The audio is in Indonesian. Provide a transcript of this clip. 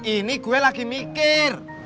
ini gue lagi mikir